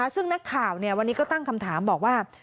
ซึ่งนักข่าววันนี้ก็ตั้งคำถามบอกว่า